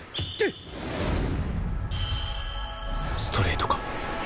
ストレートか？